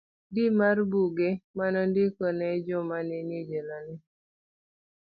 d. mar Buge ma ne ondiko ne joma ne ni e jela ne